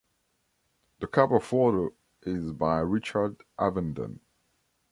The cover photo is by Richard Avedon.